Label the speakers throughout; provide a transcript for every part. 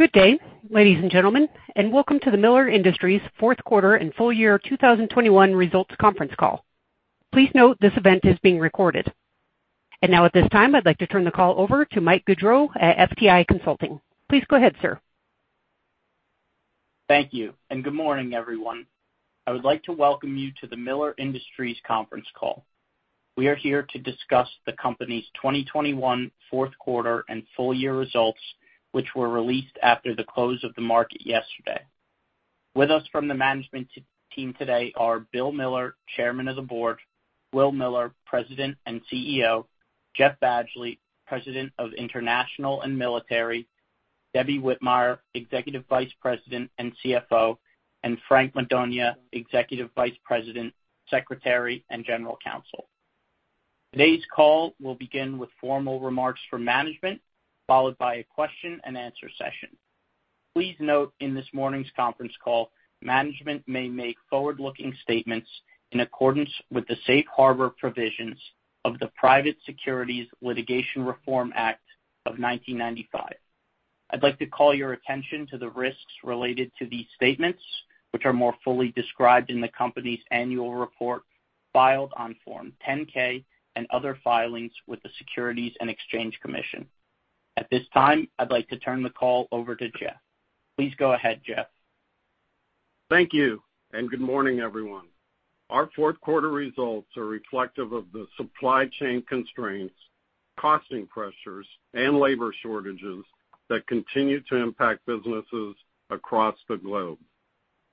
Speaker 1: Good day, ladies and gentlemen, and welcome to the Miller Industries fourth quarter and full year 2021 results conference call. Please note this event is being recorded. Now at this time, I'd like to turn the call over to Mike Gaudreau at FTI Consulting. Please go ahead, sir.
Speaker 2: Thank you, and good morning, everyone. I would like to welcome you to the Miller Industries conference call. We are here to discuss the company's 2021 fourth quarter and full year results, which were released after the close of the market yesterday. With us from the management team today are Bill Miller, Chairman of the Board, Will Miller, President and CEO, Jeff Badgley, President of International and Military, Debbie Whitmire, Executive Vice President and CFO, and Frank Madonia, Executive Vice President, Secretary, and General Counsel. Today's call will begin with formal remarks from management, followed by a question-and-answer session. Please note in this morning's conference call, management may make forward-looking statements in accordance with the safe harbor provisions of the Private Securities Litigation Reform Act of 1995. I'd like to call your attention to the risks related to these statements, which are more fully described in the company's annual report filed on Form 10-K and other filings with the Securities and Exchange Commission. At this time, I'd like to turn the call over to Jeff. Please go ahead, Jeff.
Speaker 3: Thank you, and good morning, everyone. Our fourth quarter results are reflective of the supply chain constraints, costing pressures, and labor shortages that continue to impact businesses across the globe.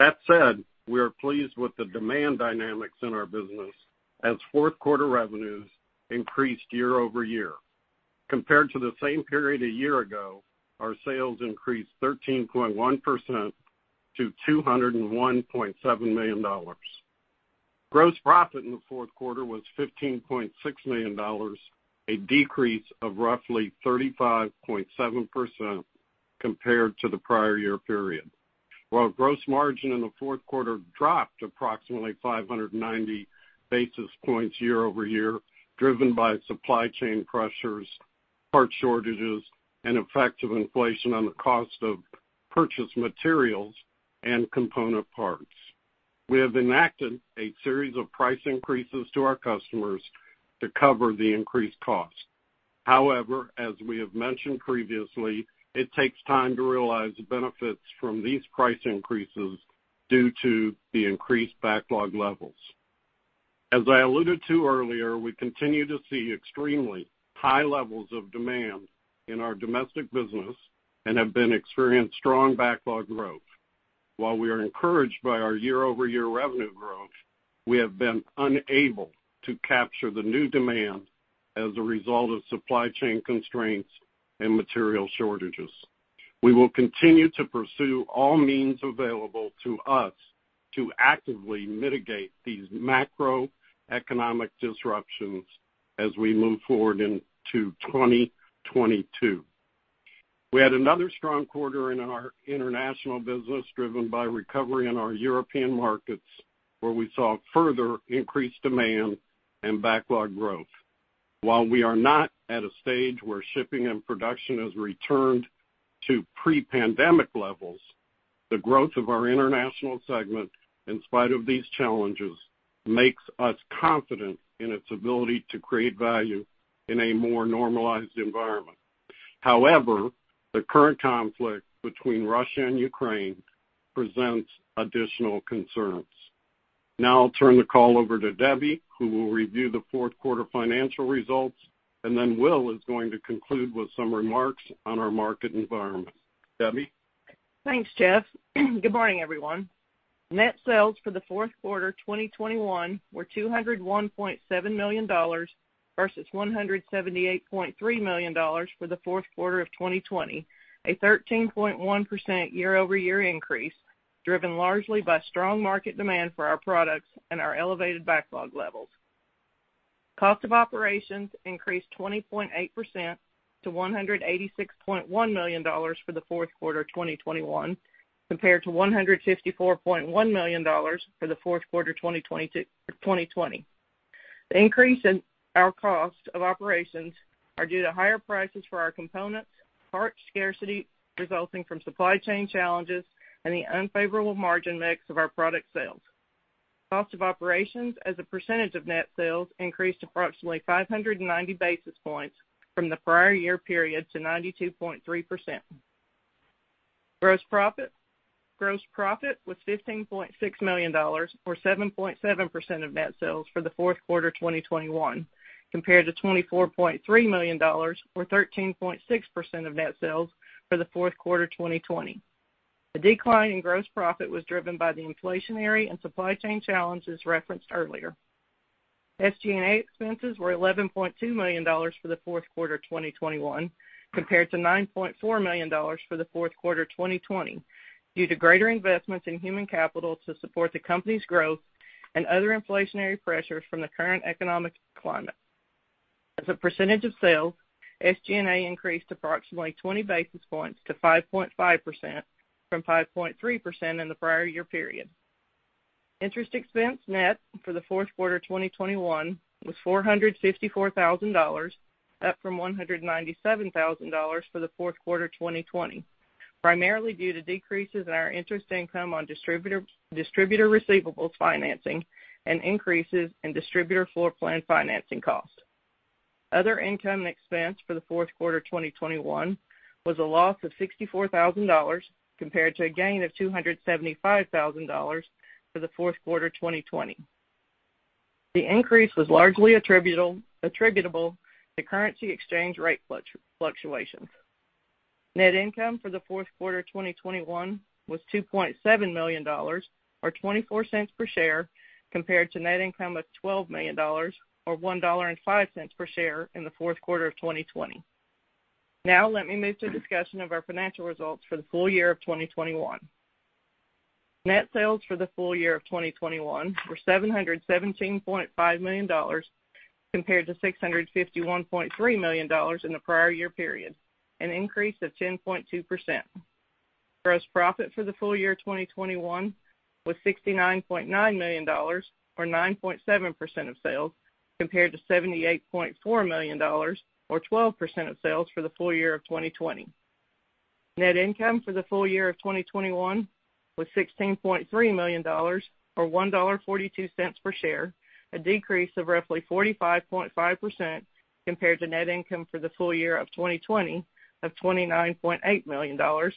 Speaker 3: That said, we are pleased with the demand dynamics in our business as fourth quarter revenues increased year-over-year. Compared to the same period a year ago, our sales increased 13.1% to $201.7 million. Gross profit in the fourth quarter was $15.6 million, a decrease of roughly 35.7% compared to the prior year period, while gross margin in the fourth quarter dropped approximately 590 basis points year-over-year, driven by supply chain pressures, part shortages, and effects of inflation on the cost of purchased materials and component parts. We have enacted a series of price increases to our customers to cover the increased cost. However, as we have mentioned previously, it takes time to realize the benefits from these price increases due to the increased backlog levels. As I alluded to earlier, we continue to see extremely high levels of demand in our domestic business and have experienced strong backlog growth. While we are encouraged by our year-over-year revenue growth, we have been unable to capture the new demand as a result of supply chain constraints and material shortages. We will continue to pursue all means available to us to actively mitigate these macroeconomic disruptions as we move forward into 2022. We had another strong quarter in our international business, driven by recovery in our European markets, where we saw further increased demand and backlog growth. While we are not at a stage where shipping and production has returned to pre-pandemic levels, the growth of our international segment, in spite of these challenges, makes us confident in its ability to create value in a more normalized environment. However, the current conflict between Russia and Ukraine presents additional concerns. Now I'll turn the call over to Debbie, who will review the fourth quarter financial results, and then Will is going to conclude with some remarks on our market environment. Debbie?
Speaker 4: Thanks, Jeff. Good morning, everyone. Net sales for the fourth quarter 2021 were $201.7 million versus $178.3 million for the fourth quarter of 2020, a 13.1% year-over-year increase, driven largely by strong market demand for our products and our elevated backlog levels. Cost of operations increased 20.8% to $186.1 million for the fourth quarter 2021 compared to $154.1 million for the fourth quarter 2020. The increase in our cost of operations are due to higher prices for our components, part scarcity resulting from supply chain challenges, and the unfavorable margin mix of our product sales. Cost of operations as a percentage of net sales increased approximately 590 basis points from the prior year period to 92.3%. Gross profit was $15.6 million or 7.7% of net sales for the fourth quarter 2021 compared to $24.3 million or 13.6% of net sales for the fourth quarter 2020. The decline in gross profit was driven by the inflationary and supply chain challenges referenced earlier. SG&A expenses were $11.2 million for the fourth quarter 2021 compared to $9.4 million for the fourth quarter 2020 due to greater investments in human capital to support the company's growth and other inflationary pressures from the current economic climate. As a percentage of sales, SG&A increased approximately 20 basis points to 5.5% from 5.3% in the prior year period. Interest expense net for the fourth quarter 2021 was $454,000, up from $197,000 for the fourth quarter 2020, primarily due to decreases in our interest income on distributor receivables financing and increases in distributor floorplan financing costs. Other income and expense for the fourth quarter 2021 was a loss of $64,000 compared to a gain of $275,000 for the fourth quarter 2020. The increase was largely attributable to currency exchange rate fluctuations. Net income for the fourth quarter 2021 was $2.7 million or $0.24 per share compared to net income of $12 million or $1.05 per share in the fourth quarter of 2020. Now let me move to a discussion of our financial results for the full year of 2021. Net sales for the full year of 2021 were $717.5 million compared to $651.3 million in the prior year period, an increase of 10.2%. Gross profit for the full year 2021 was $69.9 million or 9.7% of sales, compared to $78.4 million or 12% of sales for the full year of 2020. Net income for the full year of 2021 was $16.3 million or $1.42 per share, a decrease of roughly 45.5% compared to net income for the full year of 2020 of $29.8 million or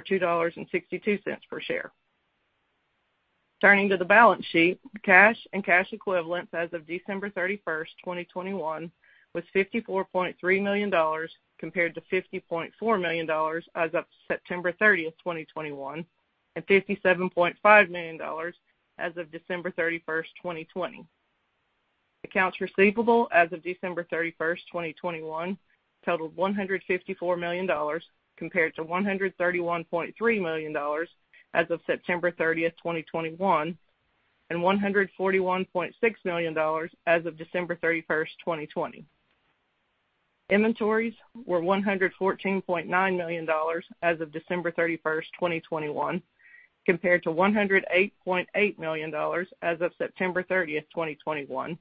Speaker 4: $2.62 per share. Turning to the balance sheet, cash and cash equivalents as of December 31, 2021 was $54.3 million compared to $50.4 million as of September 30, 2021, and $57.5 million as of December 31, 2020. Accounts receivable as of December 31, 2021 totaled $154 million compared to $131.3 million as of September 30, 2021, and $141.6 million as of December 31, 2020. Inventories were $114.9 million as of December 31, 2021 compared to $108.8 million as of September 30, 2021,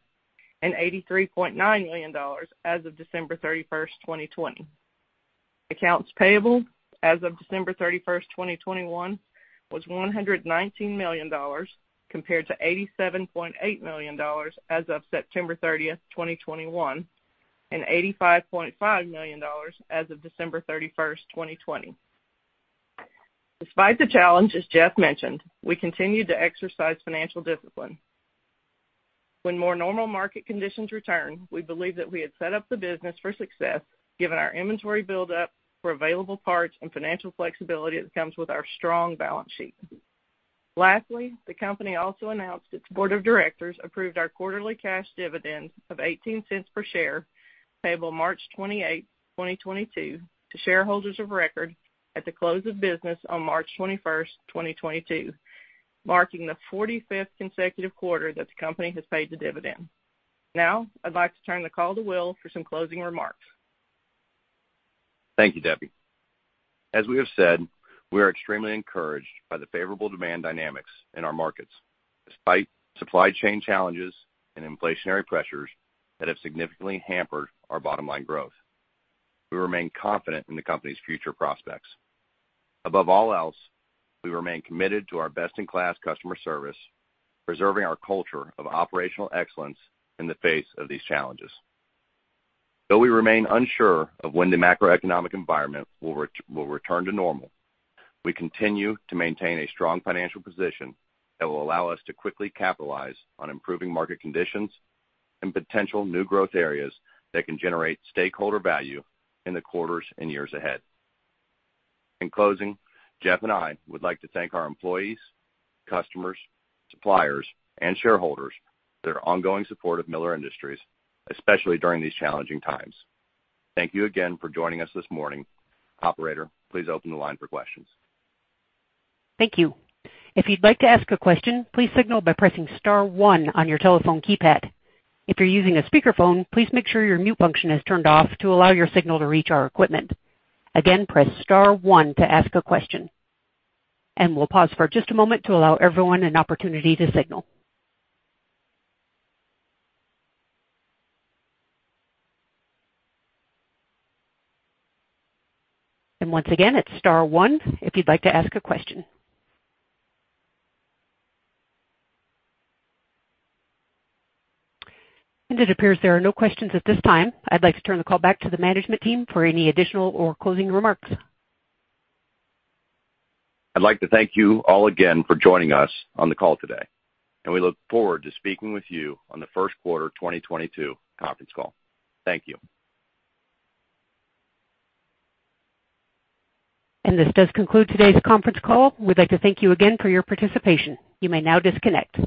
Speaker 4: and $83.9 million as of December 31, 2020. Accounts payable as of December 31, 2021 was $119 million compared to $87.8 million as of September 30, 2021, and $85.5 million as of December 31, 2020. Despite the challenges Jeff mentioned, we continued to exercise financial discipline. When more normal market conditions return, we believe that we have set up the business for success given our inventory build up for available parts and financial flexibility that comes with our strong balance sheet. Lastly, the company also announced its board of directors approved our quarterly cash dividend of $0.18 per share payable March 28, 2022 to shareholders of record at the close of business on March 21, 2022, marking the 45th consecutive quarter that the company has paid the dividend. Now I'd like to turn the call to Will for some closing remarks.
Speaker 5: Thank you, Debbie. As we have said, we are extremely encouraged by the favorable demand dynamics in our markets. Despite supply chain challenges and inflationary pressures that have significantly hampered our bottom line growth, we remain confident in the company's future prospects. Above all else, we remain committed to our best-in-class customer service, preserving our culture of operational excellence in the face of these challenges. Though we remain unsure of when the macroeconomic environment will return to normal, we continue to maintain a strong financial position that will allow us to quickly capitalize on improving market conditions and potential new growth areas that can generate stakeholder value in the quarters and years ahead.In closing, Jeff and I would like to thank our employees, customers, suppliers and shareholders for their ongoing support of Miller Industries, especially during these challenging times. Thank you again for joining us this morning. Operator, please open the line for questions.
Speaker 1: Thank you. If you'd like to ask a question, please signal by pressing star one on your telephone keypad. If you're using a speakerphone, please make sure your mute function is turned off to allow your signal to reach our equipment. Again, press star one to ask a question. We'll pause for just a moment to allow everyone an opportunity to signal. Once again, it's star one if you'd like to ask a question. It appears there are no questions at this time. I'd like to turn the call back to the management team for any additional or closing remarks.
Speaker 5: I'd like to thank you all again for joining us on the call today, and we look forward to speaking with you on the first quarter 2022 conference call. Thank you.
Speaker 1: This does conclude today's conference call. We'd like to thank you again for your participation. You may now disconnect.